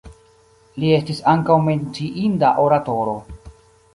Li estis ankaŭ menciinda oratoro.